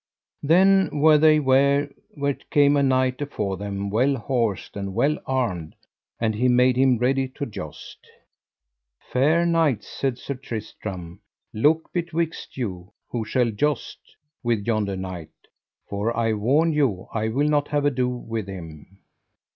Then were they ware where came a knight afore them well horsed and well armed, and he made him ready to joust. Fair knights, said Sir Tristram, look betwixt you who shall joust with yonder knight, for I warn you I will not have ado with him.